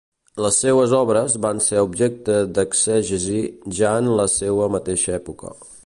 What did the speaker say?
Les seues obres van ser objecte d'exegesi ja en la seua mateixa època.